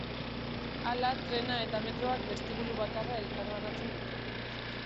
Hala, trena eta Metroak bestibulu bakarra elkarbanatzen dute.